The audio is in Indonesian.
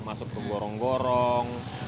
masuk ke gorong gorong